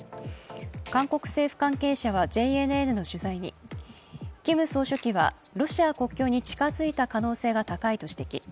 韓国政府関係者はＪＮＮの取材に、キム総書記はロシア国境に近づいた可能性が高いと指摘